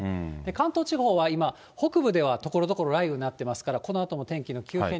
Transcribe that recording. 関東地方は今、北部ではところどころ雷雨になってますから、このあとも天気の急